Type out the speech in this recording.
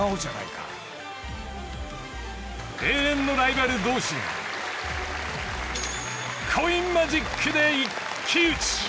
［永遠のライバル同士がコインマジックで一騎打ち］